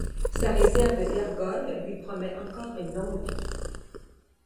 Sa réserve d'ergols lui promet encore une longue vie.